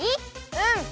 うん！